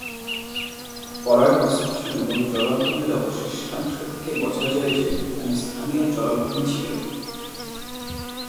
পরাগ বিশ্লেষণ এবং জলাভূমির অবশিষ্টাংশ থেকে বোঝা যায় যে, এখানে স্থানীয় জলাভূমি ছিল।